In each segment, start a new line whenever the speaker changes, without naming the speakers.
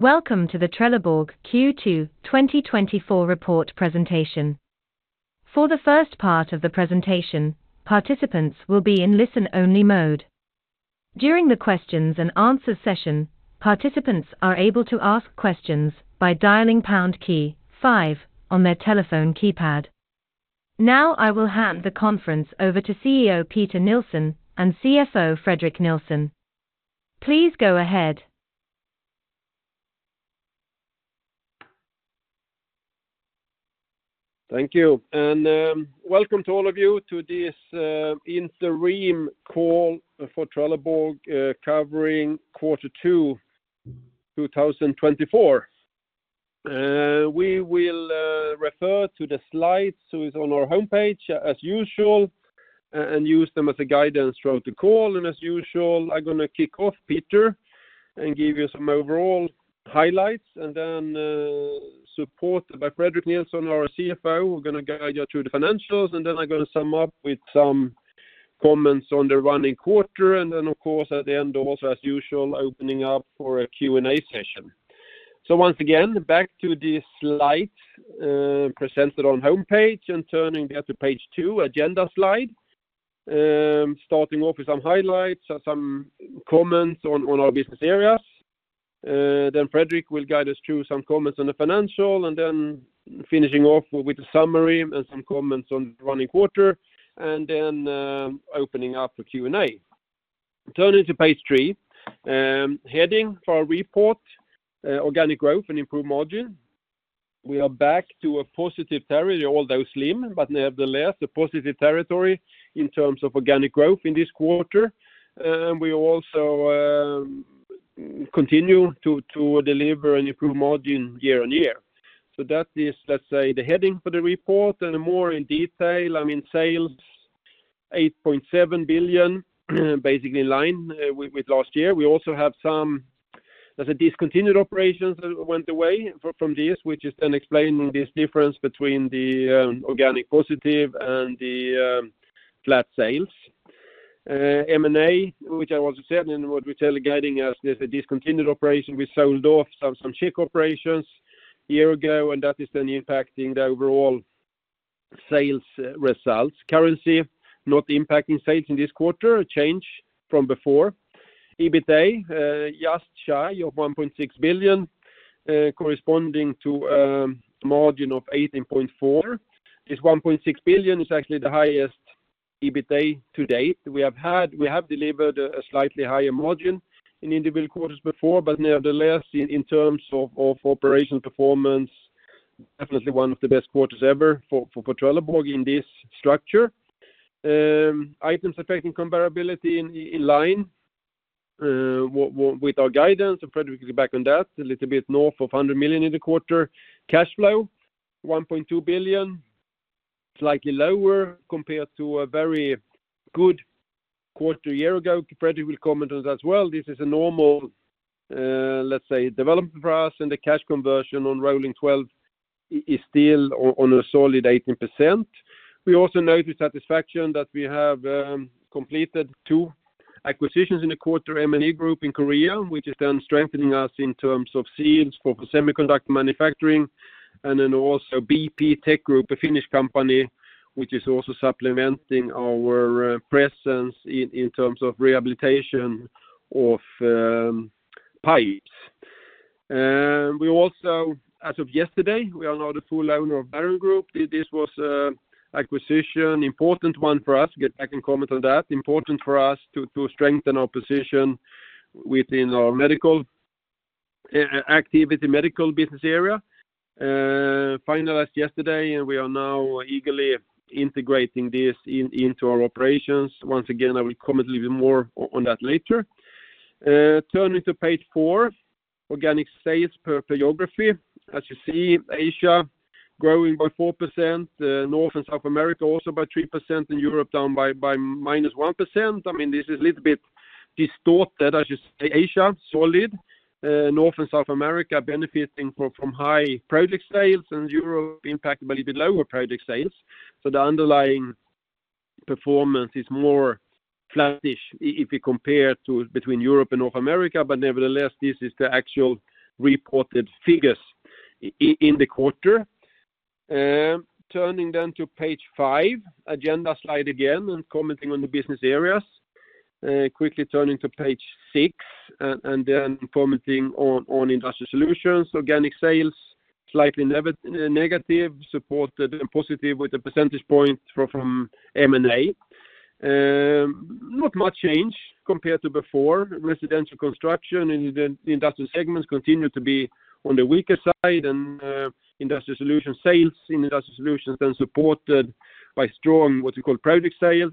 Welcome to the Trelleborg Q2 2024 report presentation. For the first part of the presentation, participants will be in listen-only mode. During the questions and answers session, participants are able to ask questions by dialing pound key five on their telephone keypad. Now, I will hand the conference over to CEO Peter Nilsson and CFO Fredrik Nilsson. Please go ahead.
Thank you, and welcome to all of you to this interim call for Trelleborg, covering quarter 2, 2024. We will refer to the slides, so it's on our homepage as usual, and use them as guidance throughout the call. As usual, I'm gonna kick off Peter and give you some overall highlights, and then support by Fredrik Nilsson, our CFO. We're gonna guide you through the financials, and then I'm gonna sum up with some comments on the running quarter, and then, of course, at the end, also as usual, opening up for a Q&A session. So once again, back to this slide, presented on homepage and turning there to page 2, agenda slide. Starting off with some highlights or some comments on our business areas. Then Fredrik will guide us through some comments on the financial, and then finishing off with a summary and some comments on the running quarter, and then opening up for Q&A. Turning to page 3, heading for our report, organic growth and improved margin. We are back to a positive territory, although slim, but nevertheless, a positive territory in terms of organic growth in this quarter. And we also continue to deliver and improve margin year-on-year. So that is, let's say, the heading for the report and more in detail, I mean, sales 8.7 billion, basically in line with last year. We also have some as a discontinued operations that went away from this, which is then explaining this difference between the organic positive and the flat sales. M&A, which I also said, and what we're telling, guiding us, there's a discontinued operation. We sold off some Czech operations a year ago, and that is then impacting the overall sales results. Currency, not impacting sales in this quarter, a change from before. EBITA, just shy of 1.6 billion, corresponding to margin of 18.4%. This 1.6 billion is actually the highest EBITA to date. We have had - we have delivered a slightly higher margin in individual quarters before, but nevertheless, in terms of operation performance, definitely one of the best quarters ever for Trelleborg in this structure. Items affecting comparability in line with our guidance, and Fredrik will back on that a little bit north of 100 million in the quarter. Cash flow, 1.2 billion, slightly lower compared to a very good quarter a year ago. Fredrik will comment on that as well. This is a normal, let's say, development for us, and the cash conversion on rolling twelve is still on a solid 18%. We also note with satisfaction that we have completed two acquisitions in the quarter, MNE Group in Korea, which is then strengthening us in terms of seals for semiconductor manufacturing, and then also BP-Tech Group, a Finnish company, which is also supplementing our presence in terms of rehabilitation of pipes. As of yesterday, we are now the full owner of Baron Group. This was an acquisition, important one for us. Get back and comment on that. Important for us to strengthen our position within our medical activity, medical business area. Finalized yesterday, and we are now eagerly integrating this into our operations. Once again, I will comment a little bit more on that later. Turning to page 4, organic sales per geography. As you see, Asia growing by 4%, North and South America also by 3%, and Europe down by -1%. I mean, this is a little bit distorted, as you say, Asia, solid, North and South America benefiting from high project sales, and Europe impacted by a little bit lower project sales. So the underlying performance is more flattish if you compare to between Europe and North America, but nevertheless, this is the actual reported figures in the quarter. Turning then to page 5, agenda slide again, and commenting on the business areas. Quickly turning to page six, and then commenting on iIndustrial Solutions, organic sales slightly negative, supported and positive with a percentage point from M&A. Not much change compared to before. Residential construction in the industrial segments continue to be on the weaker side, and industry solution sales in Industrial Solutions then supported by strong, what you call, project sales,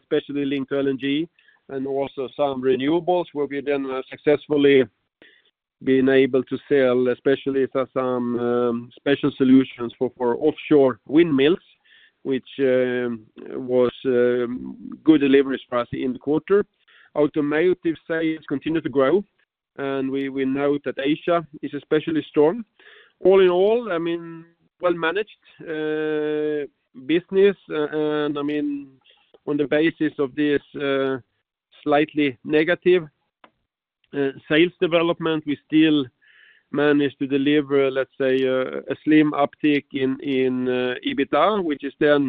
especially linked to LNG and also some renewables, where we then successfully been able to sell, especially for some special solutions for offshore windmills, which was good deliveries for us in the quarter. Automotive sales continue to grow, and we note that Asia is especially strong. All in all, I mean, well managed business, and I mean, on the basis of this, slightly negative sales development. We still managed to deliver, let's say, a slim uptick in, in, EBITA, which is then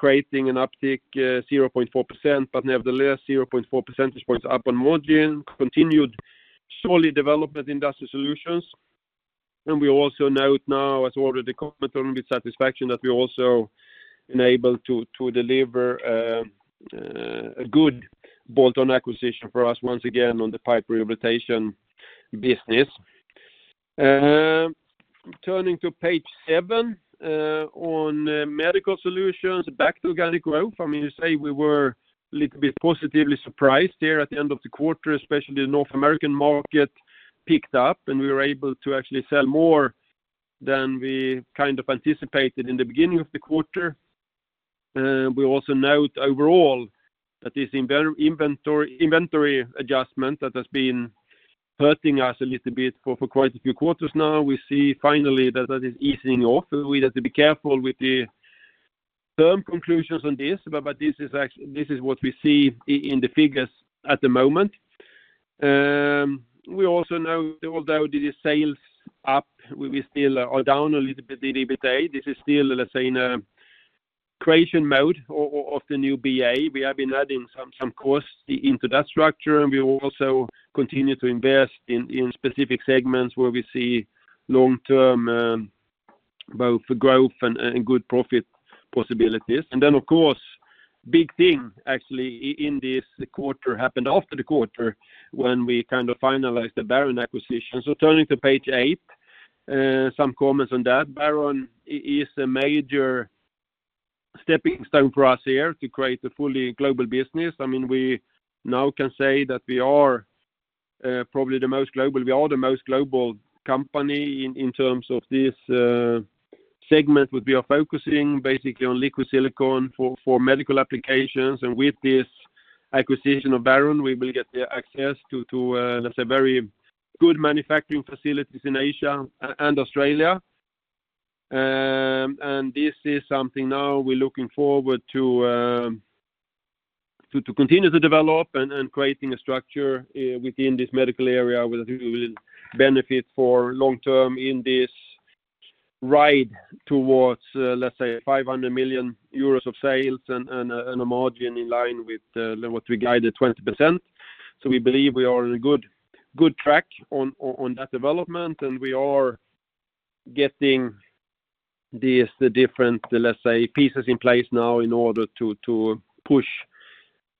creating an uptick 0.4%, but nevertheless, 0.4 percentage points up on margin. Continued solid development in Industrial Solutions. We also note now, as already commented on with satisfaction, that we're also enabled to, to deliver a good bolt-on acquisition for us once again on the pipe rehabilitation business. Turning to page 7, on Medical Solutions, back to organic growth. I mean, you say we were a little bit positively surprised there at the end of the quarter, especially the North American market picked up, and we were able to actually sell more than we kind of anticipated in the beginning of the quarter. We also note overall that this inventory adjustment that has been hurting us a little bit for quite a few quarters now, we see finally that that is easing off. We have to be careful with the term conclusions on this, but this is actually this is what we see in the figures at the moment. We also know, although the sales up, we still are down a little bit in EBITDA, this is still, let's say, in a creation mode of the new BA. We have been adding some costs into that structure, and we will also continue to invest in specific segments where we see long-term both growth and good profit possibilities. And then, of course, the big thing actually in this quarter happened after the quarter when we kind of finalized the Baron acquisition. So turning to page eight, some comments on that. Baron is a major stepping stone for us here to create a fully global business. I mean, we now can say that we are probably the most global—we are the most global company in terms of this segment, where we are focusing basically on liquid silicone for medical applications, and with this acquisition of Baron, we will get the access to, let's say, very good manufacturing facilities in Asia and Australia. And this is something now we're looking forward to, to continue to develop and creating a structure within this medical area, which will benefit for long term in this ride towards, let's say, 500 million euros of sales and a margin in line with what we guided 20%. So we believe we are in a good track on that development, and we are getting these different, let's say, pieces in place now in order to push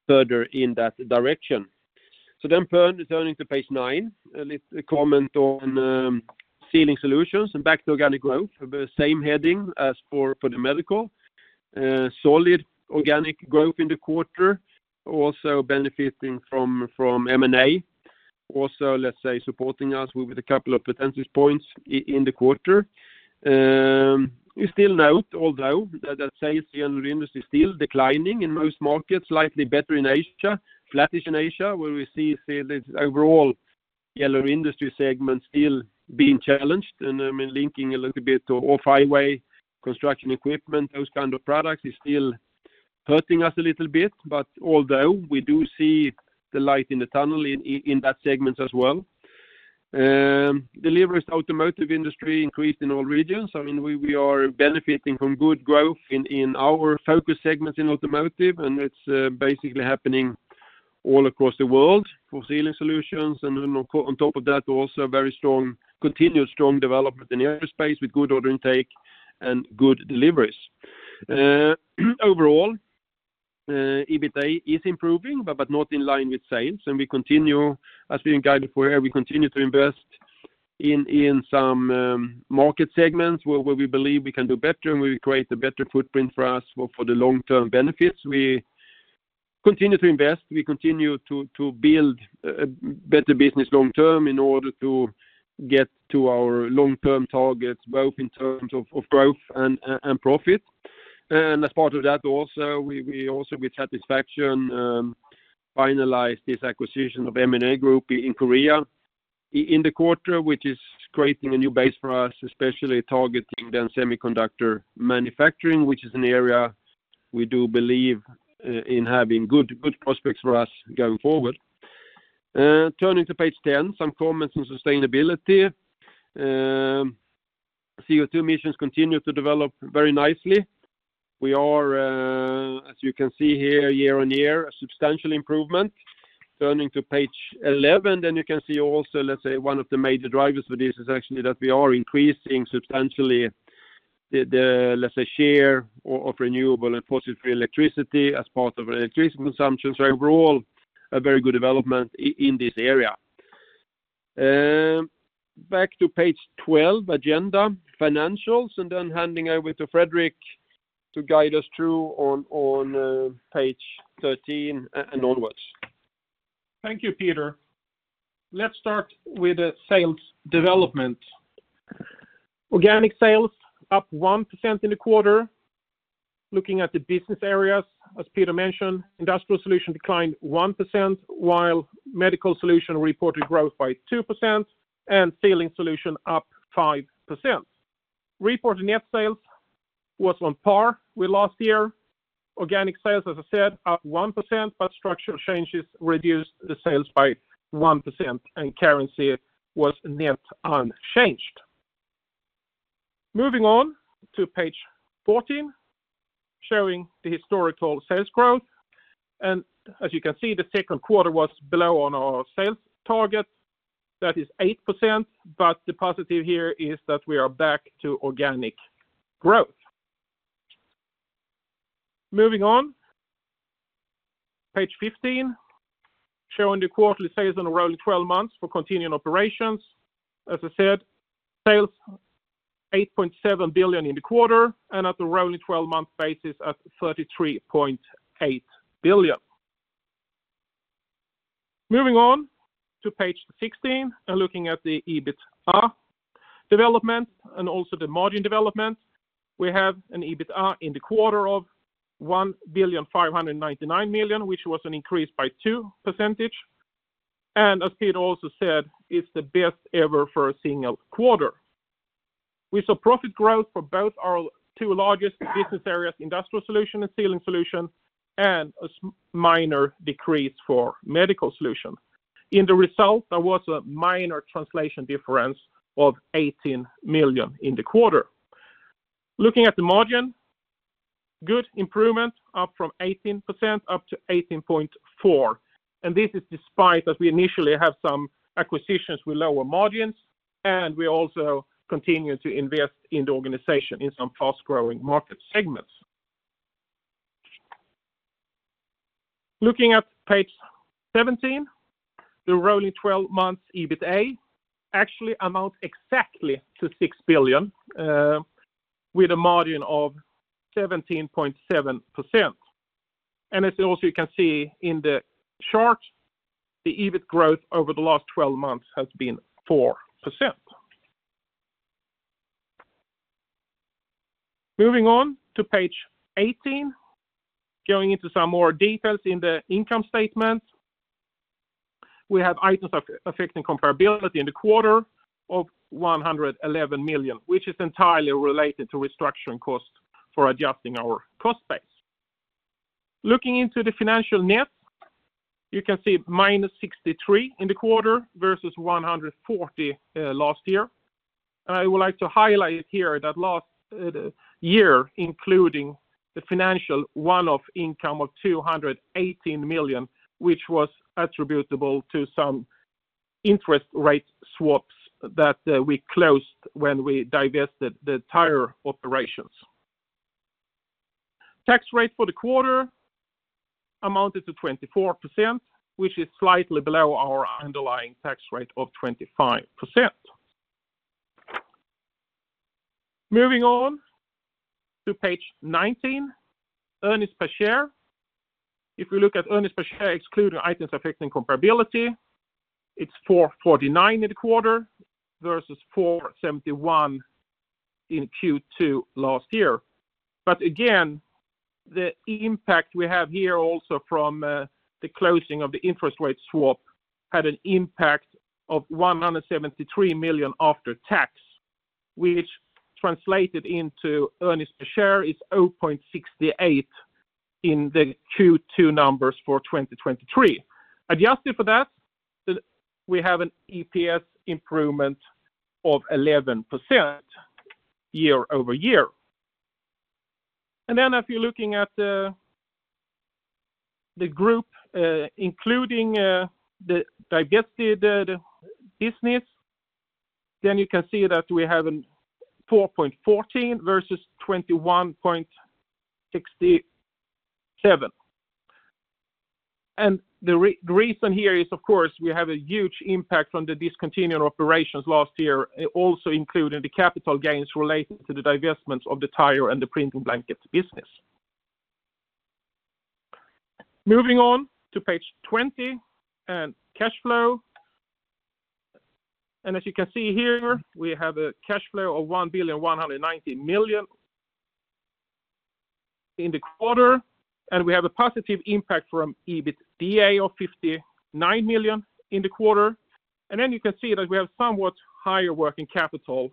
further in that direction. So then turning to page nine, a comment on Sealing Solutions and back to organic growth, the same heading as for the medical. Solid organic growth in the quarter, also benefiting from M&A. Also, let's say, supporting us with a couple of percentage points in the quarter. We still note, although, that sales in the industry is still declining in most markets, slightly better in Asia, flattish in Asia, where we see this overall yellow industry segment still being challenged, and, I mean, linking a little bit to off-highway construction equipment, those kind of products, is still hurting us a little bit. But although we do see the light in the tunnel in that segment as well. Deliveries automotive industry increased in all regions. I mean, we are benefiting from good growth in our focus segments in automotive, and it's basically happening all across the world for Sealing Solutions. And then on top of that, also a very strong, continued strong development in aerospace, with good order intake and good deliveries. Overall, EBITA is improving, but not in line with sales. And we continue, as we guided for here, we continue to invest in some market segments where we believe we can do better, and we create a better footprint for us for the long-term benefits. We continue to invest, we continue to build a better business long term in order to get to our long-term targets, both in terms of growth and profit. And as part of that, also, we also with satisfaction finalize this acquisition of MNE Group in Korea in the quarter, which is creating a new base for us, especially targeting the semiconductor manufacturing, which is an area we do believe in having good prospects for us going forward. Turning to page 10, some comments on sustainability. CO2 emissions continue to develop very nicely. We are, as you can see here, year on year, a substantial improvement. Turning to page eleven, then you can see also, let's say, one of the major drivers for this is actually that we are increasing substantially the, the, let's say, share of renewable and fossil-free electricity as part of our electricity consumption. So overall, a very good development in this area. Back to page twelve, agenda, financials, and then handing over to Fredrik to guide us through on, on, page thirteen and onwards.
Thank you, Peter. Let's start with the sales development. Organic sales up 1% in the quarter. Looking at the business areas, as Peter mentioned, Industrial Solutions declined 1%, while Medical Solutions reported growth by 2%, and Sealing Solutions up 5%. Reported net sales was on par with last year. Organic sales, as I said, up 1%, but structural changes reduced the sales by 1%, and currency was net unchanged. Moving on to page 14, showing the historical sales growth. As you can see, the second quarter was below on our sales target. That is 8%, but the positive here is that we are back to organic growth. Moving on, page 15, showing the quarterly sales on a rolling 12 months for continuing operations. As I said, sales of 8.7 billion in the quarter and on a rolling twelve-month basis of 33.8 billion. Moving on to page 16 and looking at the EBITDA development and also the margin development. We have an EBITDA in the quarter of 1,599 million, which was an increase of 2%. And as Pete also said, it's the best ever for a single quarter. We saw profit growth for both our two largest business areas, Industrial Solutions and Sealing Solutions, and a minor decrease for Medical Solutions. In the result, there was a minor translation difference of 18 million in the quarter. Looking at the margin, good improvement, up from 18%, up to 18.4%. This is despite that we initially have some acquisitions with lower margins, and we also continue to invest in the organization in some fast-growing market segments. Looking at page 17, the rolling twelve months EBITA actually amounts exactly to 6 billion with a margin of 17.7%. And as also you can see in the chart, the EBIT growth over the last twelve months has been 4%. Moving on to page 18, going into some more details in the income statement. We have items affecting comparability in the quarter of 111 million, which is entirely related to restructuring costs for adjusting our cost base. Looking into the financial net, you can see -63 in the quarter versus 140 last year. I would like to highlight here that last year, including the financial one-off income of 218 million, which was attributable to some interest rate swaps that we closed when we divested the tire operations. Tax rate for the quarter amounted to 24%, which is slightly below our underlying tax rate of 25%. Moving on to page 19, earnings per share. If you look at earnings per share, excluding items affecting comparability, it's 4.49 in the quarter versus 4.71 in Q2 last year. But again, the impact we have here also from the closing of the interest rate swap had an impact of 173 million after tax, which translated into earnings per share, is 0.68 in the Q2 numbers for 2023. Adjusted for that, we have an EPS improvement of 11% year-over-year. And then if you're looking at the group, including the divested business, then you can see that we have a 4.14 versus 21.67. And the reason here is, of course, we have a huge impact from the discontinued operations last year, also including the capital gains related to the divestment of the tire and the printing blankets business. Moving on to page 20 and cash flow. And as you can see here, we have a cash flow of 1.19 billion in the quarter, and we have a positive impact from EBITDA of 59 million in the quarter. And then you can see that we have somewhat higher working capital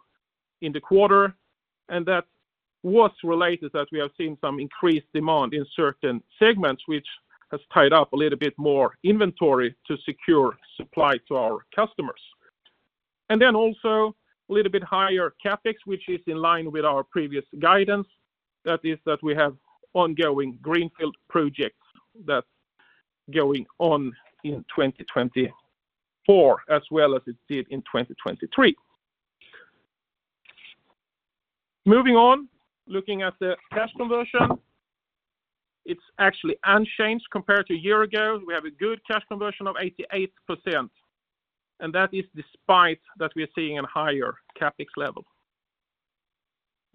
in the quarter, and that was related that we have seen some increased demand in certain segments, which has tied up a little bit more inventory to secure supply to our customers. And then also a little bit higher CapEx, which is in line with our previous guidance. That is that we have ongoing greenfield projects that's going on in 2024 as well as it did in 2023. Moving on, looking at the cash conversion, it's actually unchanged compared to a year ago. We have a good cash conversion of 88%, and that is despite that we are seeing a higher CapEx level.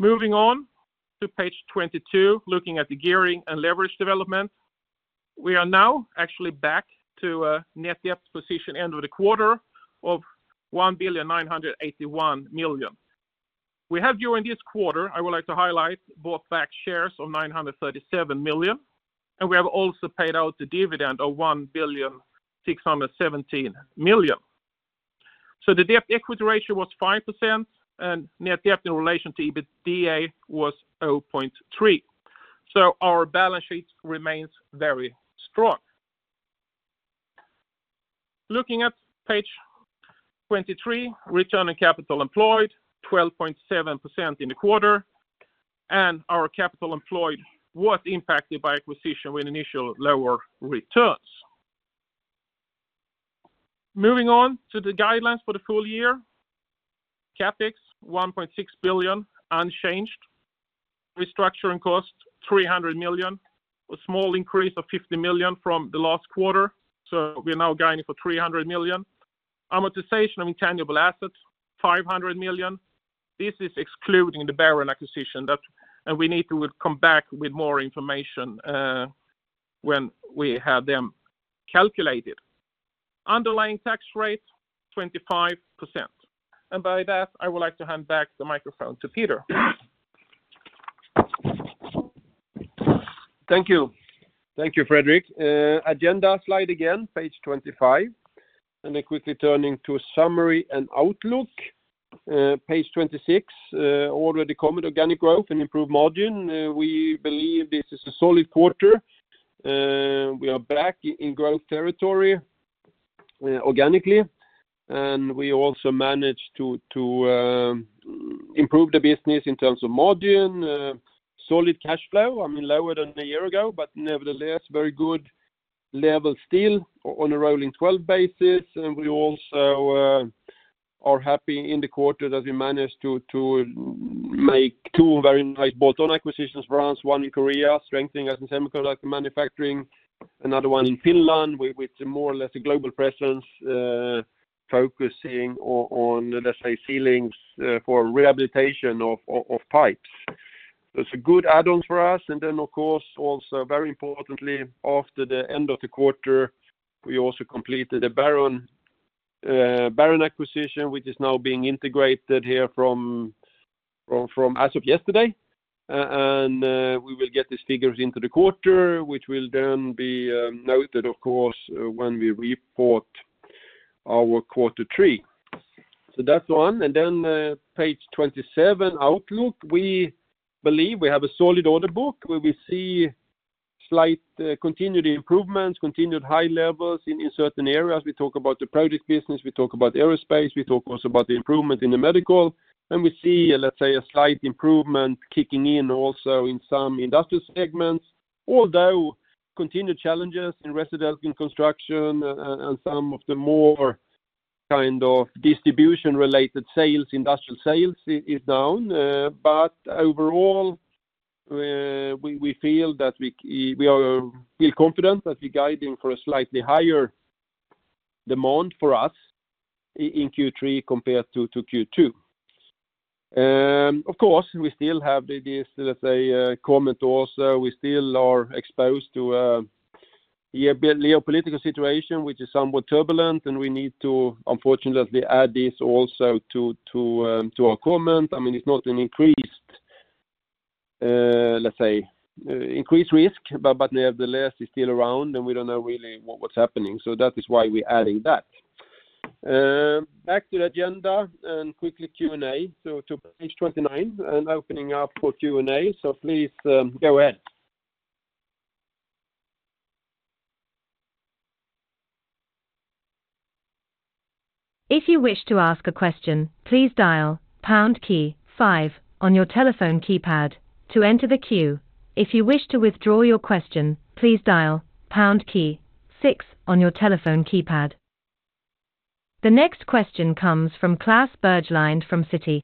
Moving on to page 22, looking at the gearing and leverage development. We are now actually back to a net debt position end of the quarter of 1,981 million. We have during this quarter, I would like to highlight, bought back shares of 937 million, and we have also paid out the dividend of 1,617 million. So the debt to equity ratio was 5%, and net debt in relation to EBITDA was 0.3. So our balance sheet remains very strong. Looking at page 23, return on capital employed, 12.7% in the quarter, and our capital employed was impacted by acquisition with initial lower returns. Moving on to the guidelines for the full year, CapEx 1.6 billion, unchanged. Restructuring cost, 300 million, a small increase of 50 million from the last quarter, so we are now guiding for 300 million. Amortization of intangible assets, 500 million. This is excluding the Baron acquisition that, and we need to come back with more information, when we have them calculated. Underlying tax rate, 25%. And by that, I would like to hand back the microphone to Peter.
Thank you. Thank you, Fredrik. Agenda slide again, page 25, and then quickly turning to summary and outlook. Page 26, already comment, organic growth and improved margin. We believe this is a solid quarter. We are back in growth territory, organically, and we also managed to improve the business in terms of margin, solid cash flow, I mean, lower than a year ago, but nevertheless, very good level still on a rolling twelve basis. And we also are happy in the quarter that we managed to make two very nice bolt-on acquisitions for us, one in Korea, strengthening us in chemical manufacturing, another one in Finland, which more or less a global presence, focusing on, let's say, sealing, for rehabilitation of pipes. That's a good add-on for us, and then, of course, also very importantly, after the end of the quarter, we also completed a Baron acquisition, which is now being integrated here from as of yesterday. And we will get these figures into the quarter, which will then be noted, of course, when we report our quarter three. So that's one, and then, page 27, outlook. We believe we have a solid order book, where we see slight continued improvements, continued high levels in certain areas. We talk about the project business, we talk about aerospace, we talk also about the improvement in the medical, and we see, let's say, a slight improvement kicking in also in some industrial segments. Although continued challenges in residential and construction, and some of the more kind of distribution-related sales, industrial sales is down. But overall, we feel confident that we're guiding for a slightly higher demand for us in Q3 compared to Q2. Of course, we still have this, let's say, comment. Also, we still are exposed to a geopolitical situation, which is somewhat turbulent, and we need to unfortunately add this also to our comment. I mean, it's not an increased, let's say, increased risk, but nevertheless, it's still around, and we don't know really what's happening, so that is why we're adding that. Back to the agenda and quickly Q&A, so to page 29 and opening up for Q&A. So please, go ahead.
If you wish to ask a question, please dial pound key five on your telephone keypad to enter the queue. If you wish to withdraw your question, please dial pound key six on your telephone keypad. The next question comes from Klas Bergelind from Citi.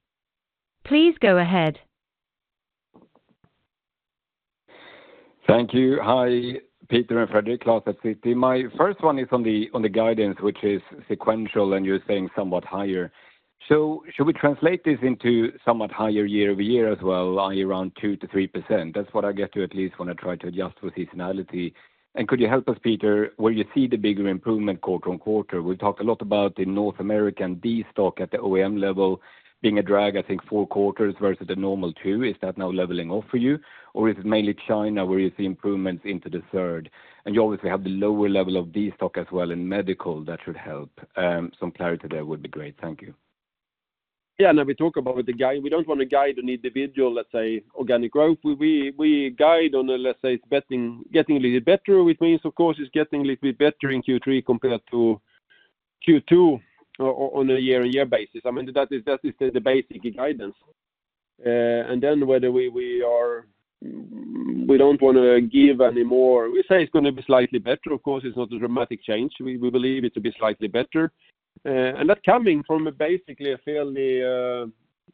Please go ahead.
Thank you. Hi, Peter and Fredrik, Klas at Citi. My first one is on the guidance, which is sequential, and you're saying somewhat higher. So should we translate this into somewhat higher year-over-year as well, i.e., around 2%-3%? That's what I get to at least when I try to adjust for seasonality. And could you help us, Peter, where you see the bigger improvement quarter-over-quarter? We talked a lot about the North American destock at the OEM level being a drag, I think, 4 quarters versus the normal 2. Is that now leveling off for you, or is it mainly China, where you see improvements into the third? And you obviously have the lower level of destock as well in medical that should help. Some clarity there would be great. Thank you.
Yeah, now we talk about the guide. We don't want to guide on individual, let's say, organic growth. We guide on a, let's say, it's getting a little better, which means, of course, it's getting a little bit better in Q3 compared to Q2 on a year-on-year basis. I mean, that is the basic guidance. And then we don't want to give any more. We say it's going to be slightly better. Of course, it's not a dramatic change. We believe it to be slightly better. And that coming from basically a fairly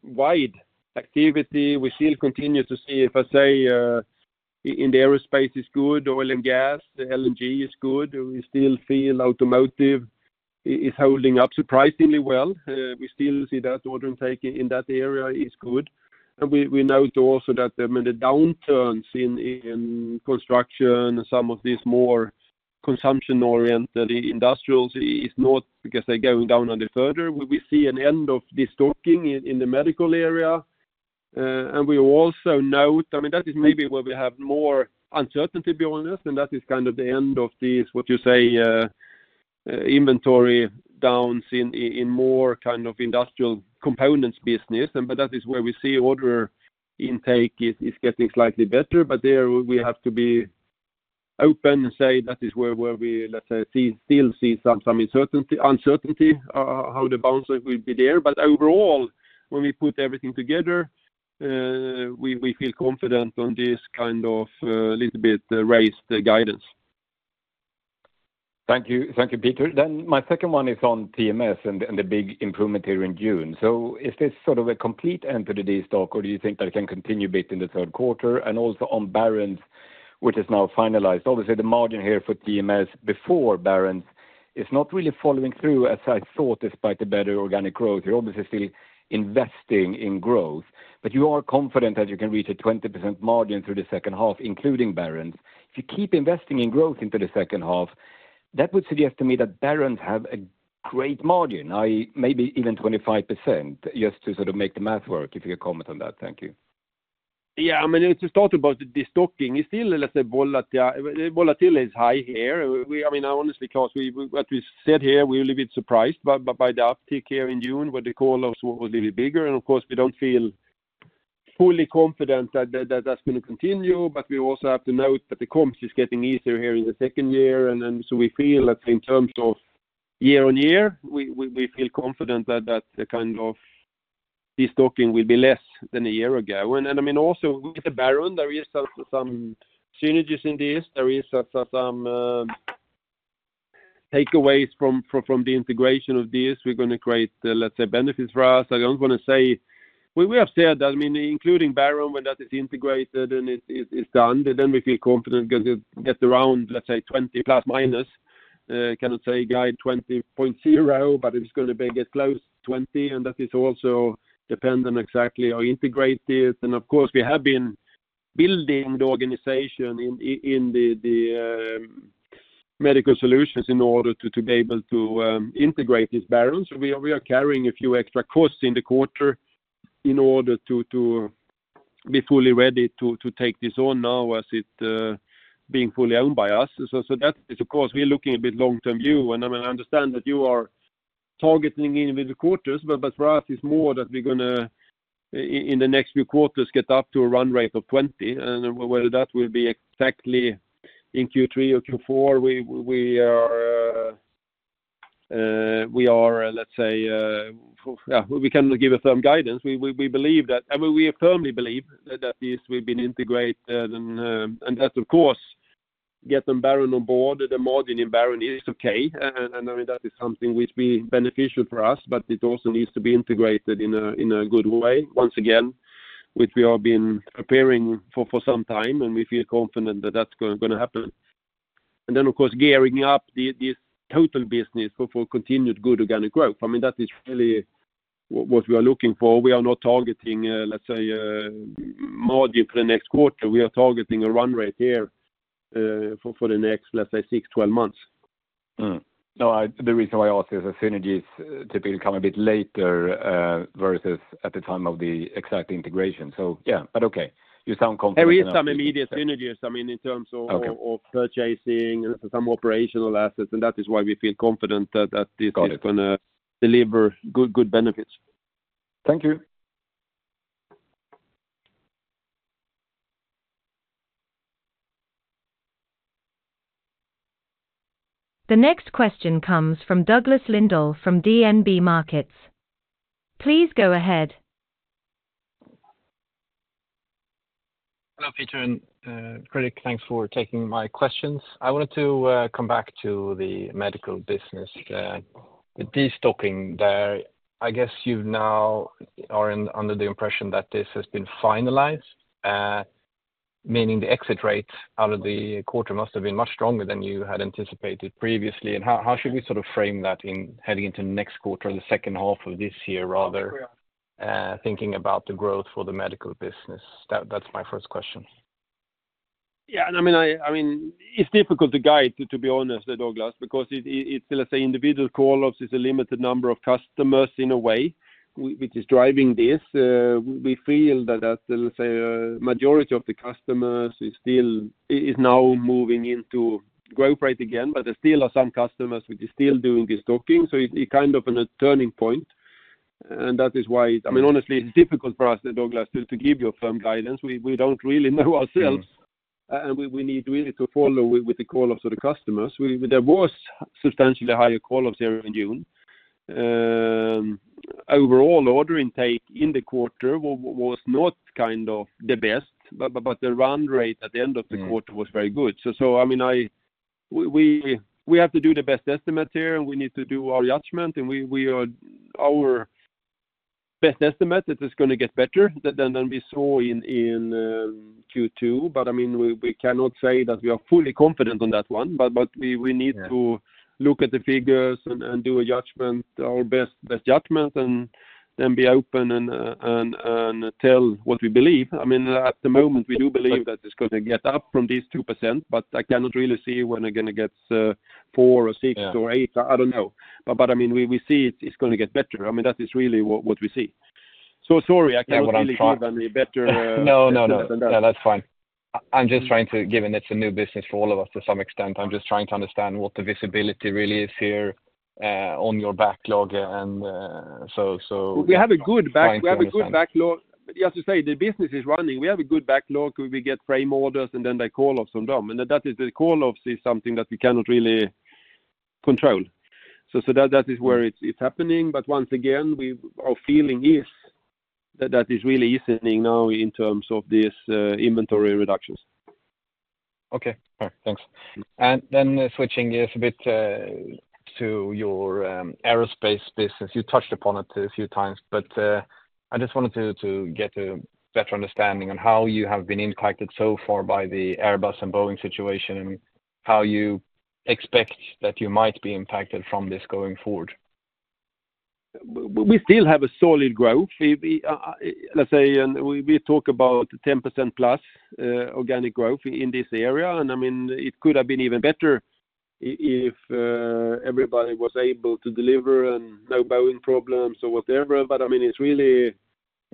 wide activity, we still continue to see, if I say, in the aerospace is good, oil and gas, the LNG is good. We still feel automotive is holding up surprisingly well. We still see that order intake in that area is good. And we note also that, I mean, the downturns in construction and some of these more consumption-oriented industrials is not because they're going down any further. We see an end of this destocking in the medical area. And we also note, I mean, that is maybe where we have more uncertainty, to be honest, and that is kind of the end of this, what you say, inventory destocking in more kind of industrial components business. But that is where we see order intake is getting slightly better, but there we have to be open and say that is where we, let's say, see still see some uncertainty how the bounce will be there. But overall, when we put everything together, we feel confident on this kind of little bit raise the guidance.
Thank you. Thank you, Peter. Then my second one is on TMS and the big improvement here in June. So is this sort of a complete end to the stock, or do you think that it can continue a bit in the third quarter? And also on Baron's, which is now finalized. Obviously, the margin here for TMS before Baron's is not really following through as I thought, despite the better organic growth. You're obviously still investing in growth, but you are confident that you can reach a 20% margin through the second half, including Baron's. If you keep investing in growth into the second half, that would suggest to me that Baron's have a great margin, I, maybe even 25%, just to sort of make the math work, if you could comment on that. Thank you.
Yeah, I mean, to start about the destocking, it's still, let's say, volatile. Volatility is high here. I mean, honestly, because we, what we said here, we were a little bit surprised by the uptick here in June, where the call was a little bit bigger. And of course, we don't feel fully confident that that's going to continue, but we also have to note that the comps is getting easier here in the second year. And then, so we feel that in terms of year-on-year, we feel confident that the kind of destocking will be less than a year ago. And, I mean, also with the Baron, there is some takeaways from the integration of this. We're going to create, let's say, benefits for us. I don't want to say... We have said that, I mean, including Baron, when that is integrated and it's done, then we feel confident because it gets around, let's say, 20 plus, minus. Cannot say guide 20.0, but it's going to get close to 20, and that is also dependent exactly how integrated. Of course, we have been building the organization in the medical solutions in order to be able to integrate this Baron's. We are carrying a few extra costs in the quarter in order to be fully ready to take this on now as it being fully owned by us. So that is, of course, we're looking a bit long-term view, and I mean, I understand that you are targeting in with the quarters, but for us, it's more that we're going to in the next few quarters, get up to a run rate of 20, and whether that will be exactly in Q3 or Q4, we are, let's say, yeah, we can give a firm guidance. We believe that, I mean, we firmly believe that this will be integrated, and that, of course, getting Baron on board, the margin in Baron is okay. And I mean, that is something which will be beneficial for us, but it also needs to be integrated in a good way. Once again, which we have been preparing for, for some time, and we feel confident that that's gonna happen. And then, of course, gearing up the, this total business for, for continued good organic growth. I mean, that is really what, what we are looking for. We are not targeting, let's say, margin for the next quarter. We are targeting a run rate here, for, for the next, let's say, 6, 12 months.
Mm-hmm. No, I... The reason why I ask is the synergies typically come a bit later versus at the time of the exact integration. So yeah, but okay, you sound confident.
There is some immediate synergies, I mean, in terms of-
Okay...
of purchasing some operational assets, and that is why we feel confident that this-
Got it
is going to deliver good, good benefits.
Thank you.
The next question comes from Douglas Lindahl from DNB Markets. Please go ahead.
Hello, Peter and Fredrik. Thanks for taking my questions. I wanted to come back to the medical business, the destocking there. I guess you now are under the impression that this has been finalized, meaning the exit rates out of the quarter must have been much stronger than you had anticipated previously. How should we sort of frame that in heading into next quarter or the second half of this year, rather, thinking about the growth for the medical business? That's my first question.
Yeah, and I mean, it's difficult to guide, to be honest, Douglas, because it, let's say, individual call-offs is a limited number of customers in a way, which is driving this. We feel that as, let's say, a majority of the customers is now moving into growth rate again, but there still are some customers which are still doing destocking. So it's kind of on a turning point, and that is why, I mean, honestly, it's difficult for us, Douglas, to give you a firm guidance. We don't really know ourselves-
Sure...
and we need really to follow with the call of the customers. There was substantially higher call-offs there in June. Overall, order intake in the quarter was not kind of the best, but the run rate at the end of the quarter-
Mm
was very good. So, I mean, we have to do the best estimate here, and we need to do our judgment, and we are—our best estimate is it's going to get better than we saw in Q2. But, I mean, we cannot say that we are fully confident on that one. But we need to-
Yeah ...
look at the figures and do a judgment, our best judgment, and then be open and tell what we believe. I mean, at the moment, we do believe that it's going to get up from this 2%, but I cannot really see when they're going to get four or six-
Yeah
or eight. I don't know. But I mean, we see it, it's going to get better. I mean, that is really what we see.... So sorry, I can really give them a better-
No, no, no, that's fine. I'm just trying to, given it's a new business for all of us to some extent, I'm just trying to understand what the visibility really is here, on your backlog, and so,
We have a good backlog. But you have to say, the business is running. We have a good backlog, we get frame orders, and then they call off some dome. And that is, the call off is something that we cannot really control. So, that is where it's happening. But once again, our feeling is that that is really easing now in terms of this inventory reductions.
Okay, all right. Thanks. And then switching gears a bit to your aerospace business. You touched upon it a few times, but I just wanted to get a better understanding on how you have been impacted so far by the Airbus and Boeing situation, and how you expect that you might be impacted from this going forward.
We still have a solid growth. We, let's say, and we talk about 10%+ organic growth in this area, and, I mean, it could have been even better if everybody was able to deliver and no Boeing problems or whatever. But, I mean, it's really-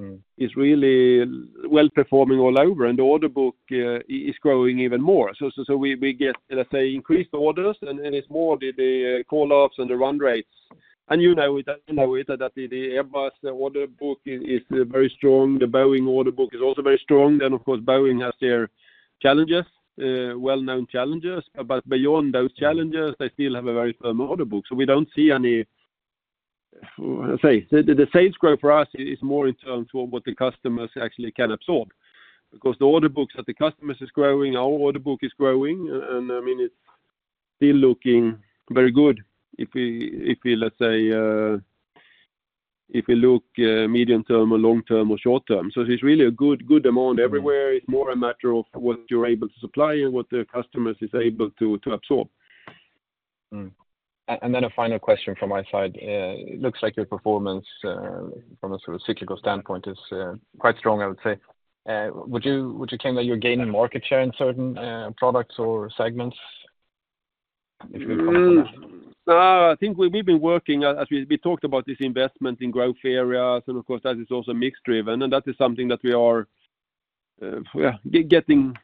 Mm.
It's really well performing all over, and the order book is growing even more. So we get, let's say, increased orders, and it's more the call offs and the run rates. And, you know, that the Airbus order book is very strong. The Boeing order book is also very strong. Then, of course, Boeing has their challenges, well-known challenges, but beyond those challenges, they still have a very firm order book. So we don't see any, let's say, the sales growth for us is more in terms of what the customers actually can absorb. Because the order books that the customers is growing, our order book is growing, and, I mean, it's still looking very good if we, let's say, if we look medium term or long term or short term. So it's really a good, good amount everywhere. It's more a matter of what you're able to supply and what the customers is able to, to absorb.
And then a final question from my side. It looks like your performance from a sort of cyclical standpoint is quite strong, I would say. Would you claim that you're gaining market share in certain products or segments?
I think we've been working, as we talked about this investment in growth areas, and of course, that is also mix driven, and that is something that we are getting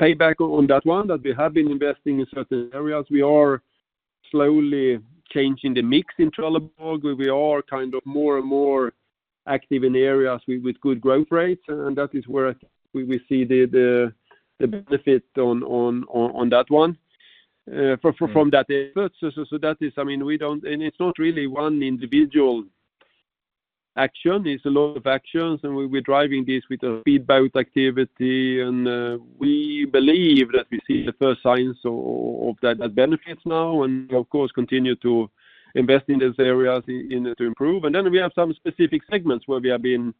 payback on, that we have been investing in certain areas. We are slowly changing the mix in Trelleborg. We are kind of more and more active in areas with good growth rates, and that is where we see the benefit on that one from that effort. So that is... I mean, we don't, and it's not really one individual action, it's a lot of actions, and we're driving this with a feedback activity, and we believe that we see the first signs of that benefits now, and of course continue to invest in these areas to improve. Then we have some specific segments where we have been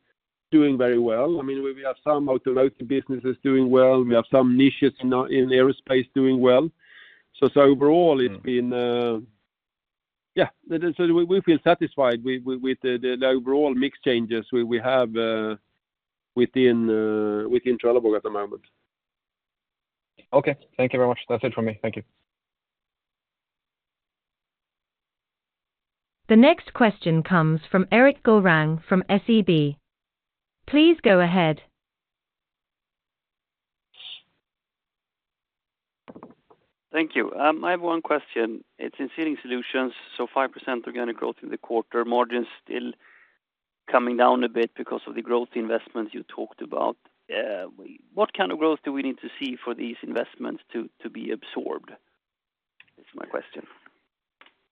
doing very well. I mean, we have some automotive businesses doing well, we have some niches in aerospace doing well. So overall, it's been, yeah, so we feel satisfied with the overall mix changes we have within Trelleborg at the moment.
Okay. Thank you very much. That's it for me. Thank you.
The next question comes from Erik Golrang from SEB. Please go ahead.
Thank you. I have one question. It's in Sealing Solutions, so 5% organic growth in the quarter, margins still coming down a bit because of the growth investments you talked about. What kind of growth do we need to see for these investments to, to be absorbed? That's my question.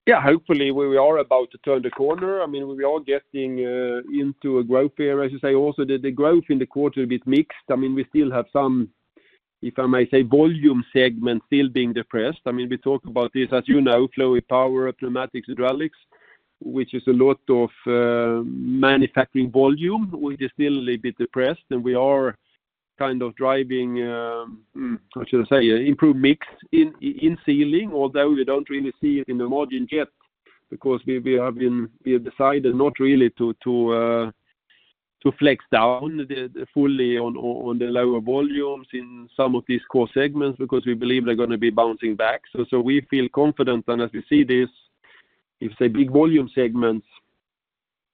Yeah, hopefully, we are about to turn the corner. I mean, we are getting into a growth area. As you say, also, the growth in the quarter a bit mixed. I mean, we still have some, if I may say, volume segment still being depressed. I mean, we talk about this, as you know, fluid power, pneumatics, hydraulics, which is a lot of manufacturing volume, which is still a bit depressed, and we are kind of driving, I should say, improved mix in sealing, although we don't really see it in the margin yet, because we have decided not really to flex down fully on the lower volumes in some of these core segments, because we believe they're gonna be bouncing back. So we feel confident, and as we see this, if, say, big volume segments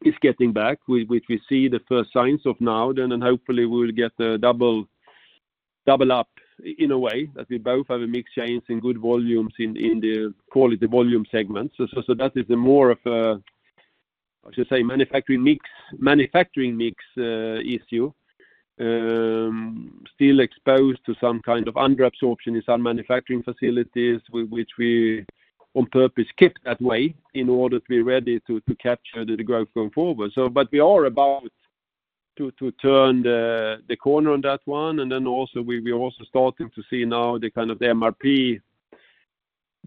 is getting back, which we see the first signs of now, then hopefully we will get a double up in a way, that we both have a mix change and good volumes in the quality volume segment. So that is more of a, I should say, manufacturing mix issue, still exposed to some kind of under absorption in some manufacturing facilities, which we on purpose kept that way in order to be ready to capture the growth going forward. So, but we are about to turn the corner on that one, and then also we're also starting to see now the kind of the MRP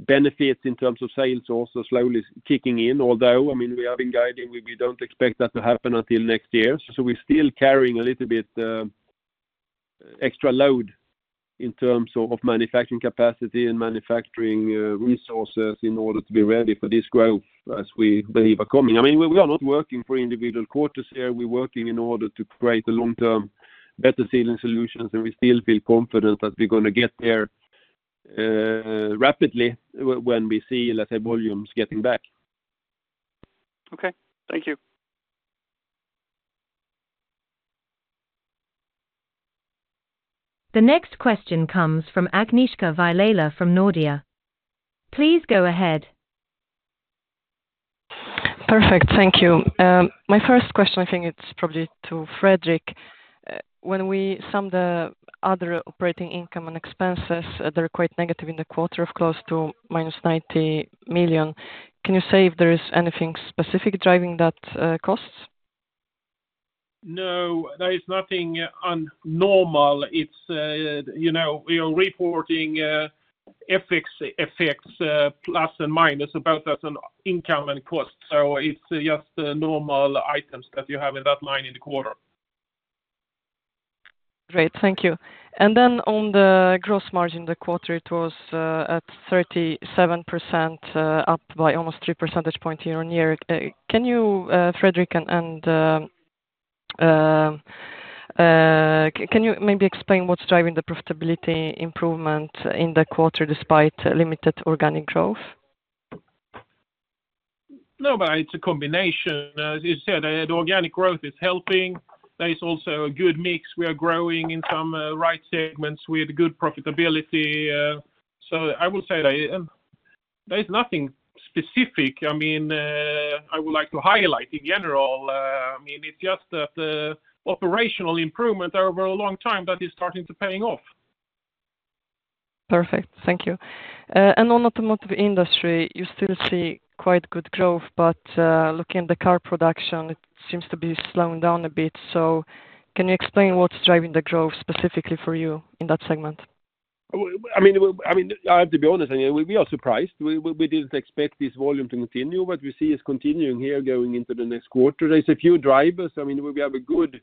benefits in terms of sales also slowly kicking in, although, I mean, we have been guiding, we don't expect that to happen until next year. So we're still carrying a little bit extra load in terms of manufacturing capacity and manufacturing resources in order to be ready for this growth, as we believe are coming. I mean, we are not working for individual quarters here, we're working in order to create a long-term better sealing solutions, and we still feel confident that we're gonna get there rapidly when we see, let's say, volumes getting back.
Okay, thank you.
The next question comes from Agnieszka Vilela from Nordea. Please go ahead.
Perfect. Thank you. My first question, I think it's probably to Fredrik. When we sum the other operating income and expenses, they're quite negative in the quarter of close to -90 million. Can you say if there is anything specific driving that, costs?
No, there is nothing abnormal. It's, you know, we are reporting FX, FX plus and minus, both as an income and cost. So it's just the normal items that you have in that line in the quarter.
Great, thank you. Then on the gross margin, the quarter, it was at 37%, up by almost three percentage point year-on-year. Can you, Fredrik, can you maybe explain what's driving the profitability improvement in the quarter despite limited organic growth?
No, but it's a combination. As you said, the organic growth is helping. There is also a good mix. We are growing in some right segments with good profitability, so I would say that, there's nothing specific. I mean, I would like to highlight in general, I mean, it's just that the operational improvement over a long time that is starting to paying off.
Perfect. Thank you. And on automotive industry, you still see quite good growth, but, looking at the car production, it seems to be slowing down a bit. So can you explain what's driving the growth specifically for you in that segment?
I mean, I have to be honest, I mean, we are surprised. We didn't expect this volume to continue, but we see it's continuing here going into the next quarter. There's a few drivers. I mean, we have a good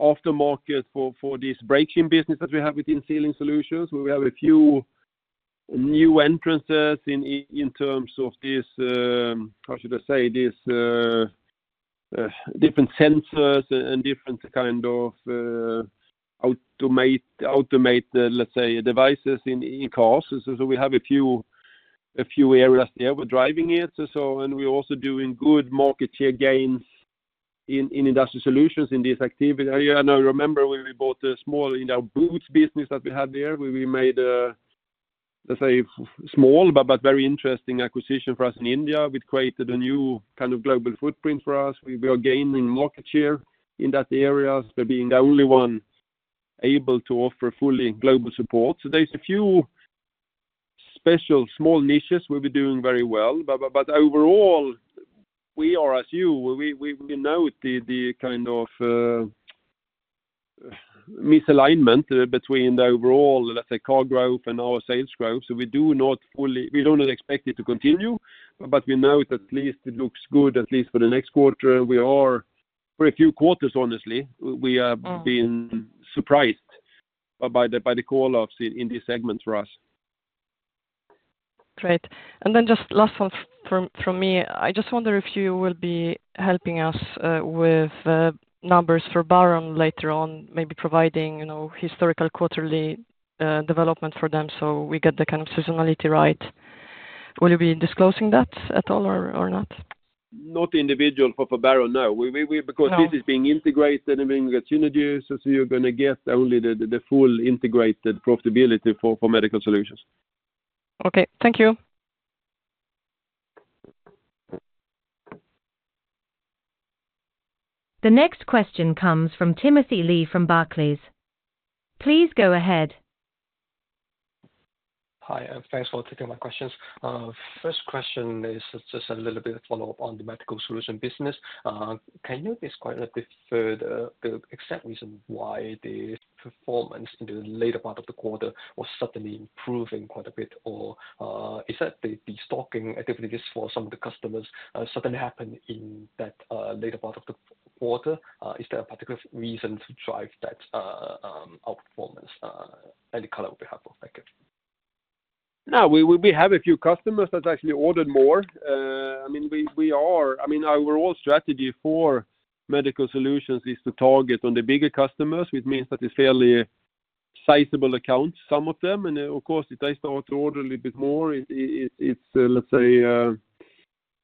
aftermarket for this braking business that we have within Sealing Solutions, where we have a few new entrances in terms of this, how should I say? This, different sensors and different kind of, automate, let's say, devices in cars. So we have a few areas there. We're driving it, so, and we're also doing good market share gains in industrial solutions in this activity. I remember when we bought a small, you know, boots business that we had there, where we made, let's say, small but very interesting acquisition for us in India, which created a new kind of global footprint for us. We were gaining market share in that area by being the only one able to offer fully global support. So there's a few special small niches we've been doing very well, but overall, we are as you. We note the kind of misalignment between the overall, let's say, car growth and our sales growth. So we do not fully expect it to continue, but we know it at least it looks good, at least for the next quarter. We are for a few quarters, honestly, we have been surprised by the call-offs in this segment for us.
Great. And then just last one from me. I just wonder if you will be helping us with numbers for Baron later on, maybe providing, you know, historical quarterly development for them, so we get the kind of seasonality right. Will you be disclosing that at all or not?
Not individual for Baron, no. We-
No.
Because this is being integrated and being synergies, so you're gonna get only the full integrated profitability for Medical Solutions.
Okay, thank you.
The next question comes from Timothy Lee, from Barclays. Please go ahead.
Hi, thanks for taking my questions. First question is just a little bit of follow-up on the Medical Solutions business. Can you describe a bit further the exact reason why the performance in the later part of the quarter was suddenly improving quite a bit? Or, is that the stocking activities for some of the customers suddenly happened in that later part of the quarter? Is there a particular reason to drive that outperformance, any color on behalf of? Thank you.
Now, we have a few customers that actually ordered more. I mean, our overall strategy for Medical Solutions is to target on the bigger customers, which means that it's fairly sizable accounts, some of them. And of course, if they start to order a little bit more, it's, let's say,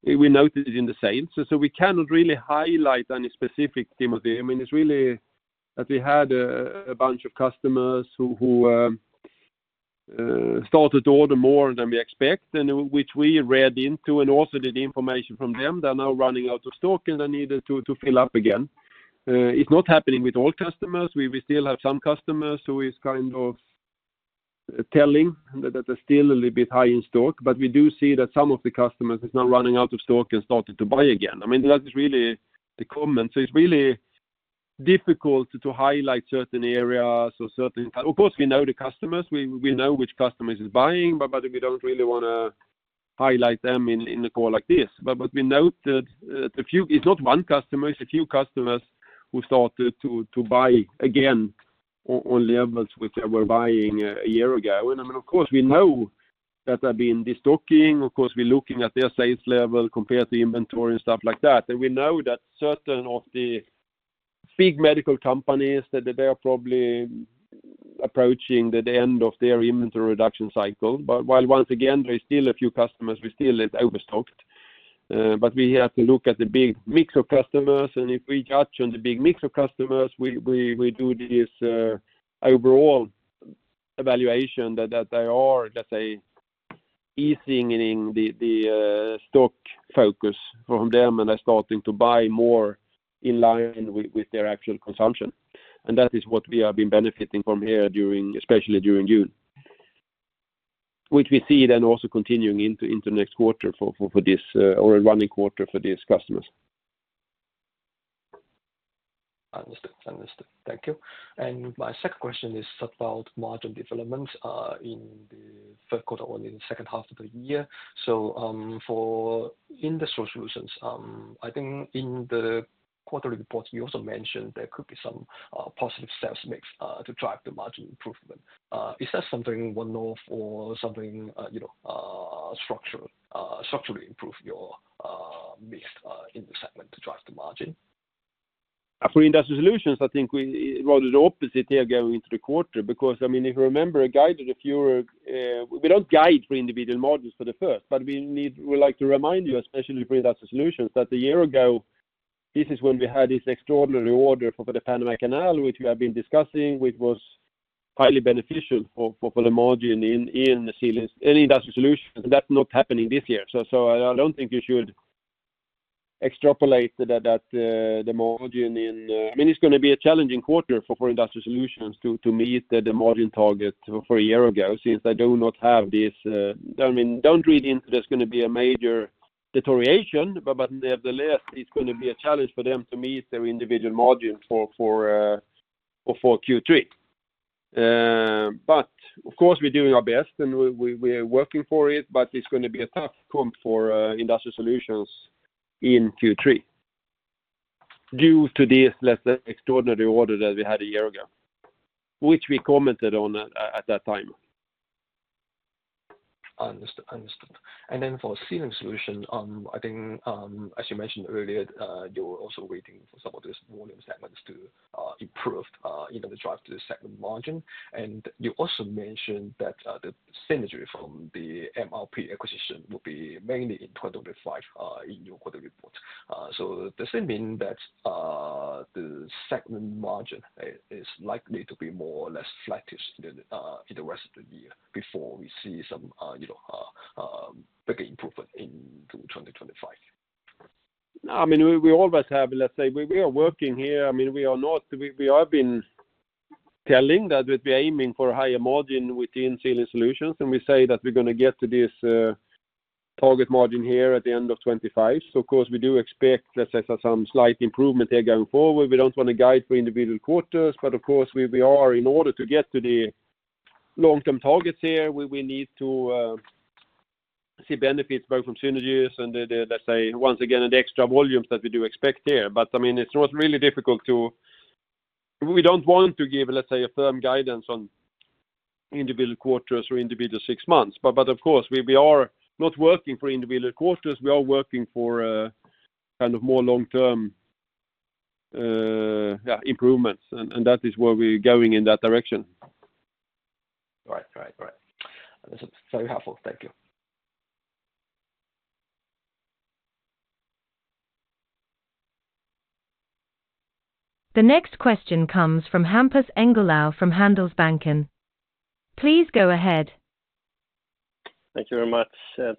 we notice it in the sales. So we cannot really highlight any specific, Timothy. I mean, it's really that we had a bunch of customers who started to order more than we expect and which we read into and also the information from them. They're now running out of stock, and they needed to fill up again. It's not happening with all customers. We still have some customers who is kind of telling that they're still a little bit high in stock, but we do see that some of the customers is now running out of stock and started to buy again. I mean, that is really the comment. So it's really difficult to highlight certain areas or certain... Of course, we know the customers. We know which customers is buying, but we don't really wanna highlight them in a call like this. But we note that the few, it's not one customer, it's a few customers who started to buy again on levels which they were buying a year ago. And I mean, of course, we know that they've been destocking. Of course, we're looking at their sales level compared to inventory and stuff like that. And we know that certain of the-... big medical companies that they are probably approaching the end of their inventory reduction cycle. But while once again, there is still a few customers, we still is overstocked. But we have to look at the big mix of customers, and if we judge on the big mix of customers, we do this overall evaluation that they are, let's say, easing in the stock focus from them, and are starting to buy more in line with their actual consumption. And that is what we have been benefiting from here during, especially during June, which we see then also continuing into next quarter for this or running quarter for these customers.
Understood, understood. Thank you. My second question is about margin developments in the third quarter or in the second half of the year. So, for Industrial Solutions, I think in the quarterly report, you also mentioned there could be some positive sales mix to drive the margin improvement. Is that something one-off or something, you know, structurally improve your mix in the segment to drive the margin?
For Industrial Solutions, I think we rather the opposite here going into the quarter, because, I mean, if you remember, guided a fewer... We don't guide for individual margins for the first, but we need—we like to remind you, especially for Industrial Solutions, that a year ago, this is when we had this extraordinary order for the Panama Canal, which we have been discussing, which was highly beneficial for the margin in Sealing, in Industrial Solutions, that's not happening this year. So I don't think you should extrapolate that the margin in... I mean, it's gonna be a challenging quarter for Industrial Solutions to meet the margin target for a year ago, since they do not have this, I mean, don't read into there's gonna be a major deterioration, but nevertheless, it's gonna be a challenge for them to meet their individual margin for Q3. But of course, we're doing our best, and we're working for it, but it's gonna be a tough comp for Industrial Solutions in Q3, due to this less than extraordinary order that we had a year ago, which we commented on at that time.
Understood, understood. And then for Sealing Solutions, I think, as you mentioned earlier, you were also waiting for some of these volume segments to, improve, you know, to drive to the segment margin. And you also mentioned that, the synergy from the MRP acquisition will be mainly in 2025, in your quarter report. So does it mean that, the segment margin is, is likely to be more or less flattish than, in the rest of the year before we see some, you know, bigger improvement into 2025?
No, I mean, we always have, let's say, we are working here. I mean, we are not—we have been telling that we'd be aiming for a higher margin within Sealing Solutions, and we say that we're gonna get to this target margin here at the end of 2025. So of course, we do expect, let's say, some slight improvement there going forward. We don't want to guide for individual quarters, but of course, we are in order to get to the long-term targets here, we need to see benefits both from synergies and the, the, let's say, once again, the extra volumes that we do expect there. But, I mean, it's not really difficult to... We don't want to give, let's say, a firm guidance on individual quarters or individual six months, but of course, we are not working for individual quarters, we are working for kind of more long-term improvements, and that is where we're going in that direction.
Right. Right, right. This is very helpful. Thank you.
The next question comes from Hampus Engellau from Handelsbanken. Please go ahead.
Thank you very much.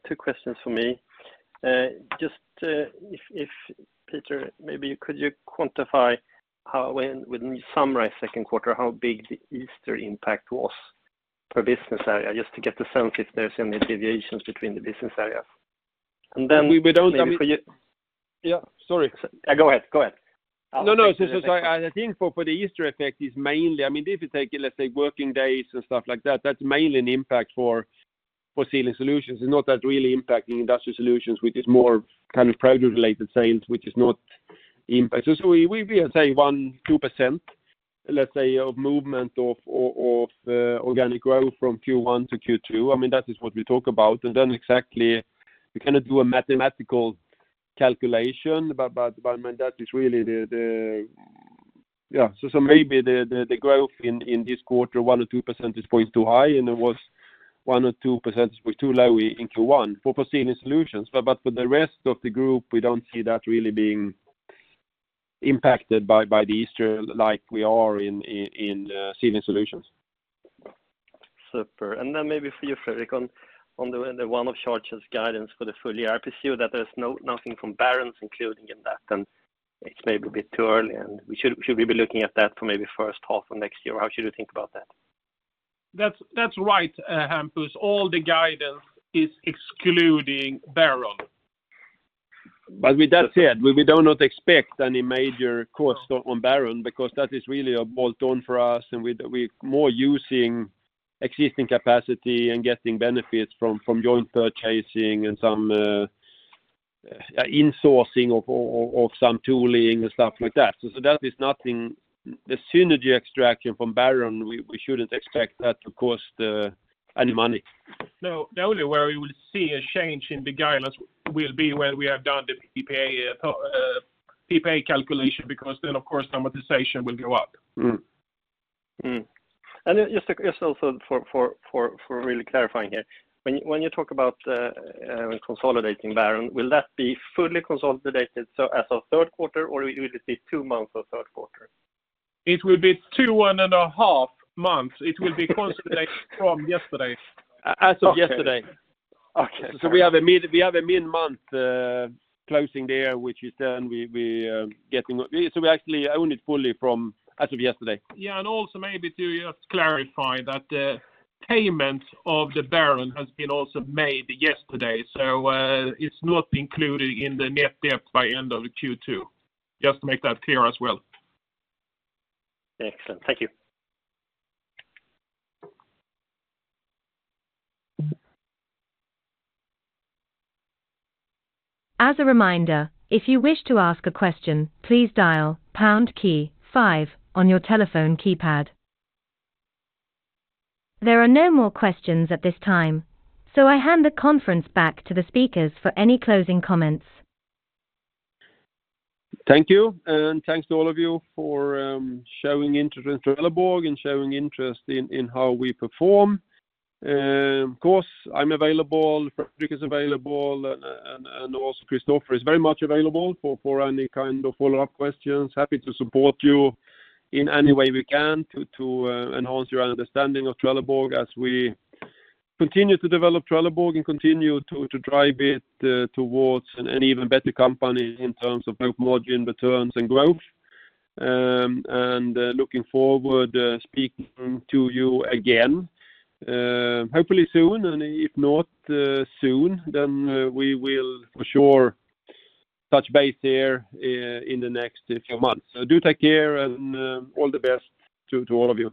Two questions for me. Just, if Peter, maybe could you quantify how, when you summarize second quarter, how big the Easter impact was per business area, just to get the sense if there's any deviations between the business areas? And then maybe for you-
Yeah, sorry.
Go ahead. Go ahead.
No, so I think for the Easter effect, it's mainly, I mean, if you take, let's say, working days and stuff like that, that's mainly an impact for Sealing Solutions. It's not that really impacting Industrial Solutions, which is more kind of product-related sales, which is not impact. So we say 1-2%, let's say, of movement of organic growth from Q1 to Q2. I mean, that is what we talk about. And then exactly, we cannot do a mathematical calculation, but that is really the... Yeah, so maybe the growth in this quarter, 1-2% is points too high, and it was 1-2% too low in Q1 for Sealing Solutions. But for the rest of the group, we don't see that really being impacted by the Easter like we are in Sealing Solutions.
Super. And then maybe for you, Fredrik, on the one-off charge's guidance for the full year, I presume that there's nothing from Baron inclusion in that, and it's maybe a bit too early, and we should we be looking at that for maybe first half of next year? How should we think about that?
That's, that's right, Hampus, all the guidance is excluding Baron.
But with that said, we do not expect any major cost on Baron, because that is really a bolt-on for us, and we're more using existing capacity and getting benefits from joint purchasing and some insourcing of some tooling and stuff like that. So that is nothing. The synergy extraction from Baron, we shouldn't expect that to cost any money. No, the only way we will see a change in the guidance will be when we have done the PPA, PPA calculation, because then, of course, amortization will go up.
Mm-hmm. And just also for really clarifying here. When you talk about consolidating Baron, will that be fully consolidated as of third quarter, or will it just be two months of third quarter?
It will be two and a half months. It will be consolidated from yesterday.
As of yesterday.
Okay.
So we have a mid-month closing there, which is then we getting. So we actually own it fully from as of yesterday.
Yeah, and also maybe to just clarify that the payment of the Baron has been also made yesterday, so, it's not included in the net debt by end of Q2. Just to make that clear as well.
Excellent. Thank you.
As a reminder, if you wish to ask a question, please dial pound key five on your telephone keypad. There are no more questions at this time, so I hand the conference back to the speakers for any closing comments.
Thank you, and thanks to all of you for showing interest in Trelleborg and showing interest in how we perform. Of course, I'm available, Fredrik is available, and also Christofer is very much available for any kind of follow-up questions. Happy to support you in any way we can to enhance your understanding of Trelleborg as we continue to develop Trelleborg and continue to drive it towards an even better company in terms of both margin returns and growth. And looking forward speaking to you again, hopefully soon, and if not soon, then we will for sure touch base there in the next few months. So do take care and all the best to all of you.